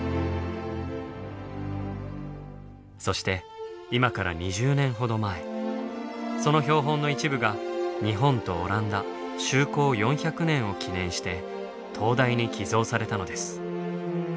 そして今から２０年ほど前その標本の一部が日本とオランダ「修好４００年」を記念して東大に寄贈されたのです。